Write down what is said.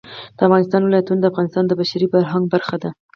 د افغانستان ولايتونه د افغانستان د بشري فرهنګ برخه ده.